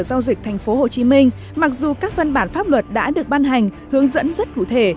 giao dịch tp hcm mặc dù các văn bản pháp luật đã được ban hành hướng dẫn rất cụ thể